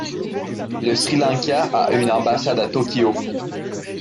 Le Sri Lanka a une ambassade à Tokyo.